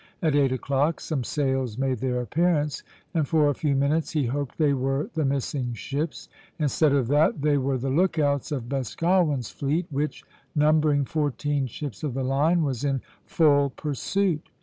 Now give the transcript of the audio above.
At eight o'clock some sails made their appearance, and for a few minutes he hoped they were the missing ships. Instead of that, they were the lookouts of Boscawen's fleet, which, numbering fourteen ships of the line, was in full pursuit.